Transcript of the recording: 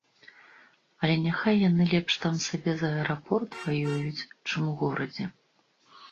Але няхай яны лепш там сабе за аэрапорт ваююць, чым у горадзе.